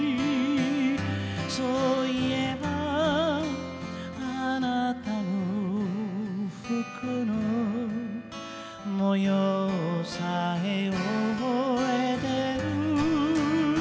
「そういえばあなたの服の模様さえ覚えてる」